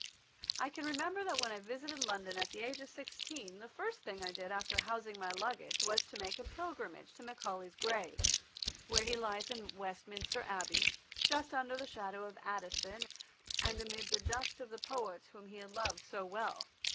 I can remember that when I visited London at the age of sixteen the first thing I did after housing my luggage was to make a pilgrimage to Macaulay's grave, where he lies in Westminster Abbey, just under the shadow of Addison, and amid the dust of the poets whom he had loved so well.